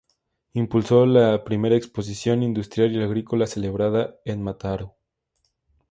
Impulsó la primera exposición industrial y agrícola celebrada en Mataró.